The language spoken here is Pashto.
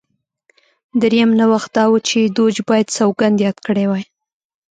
درېیم نوښت دا و چې دوج باید سوګند یاد کړی وای